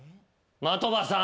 的場さん。